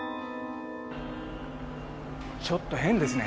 ちょっと変ですね。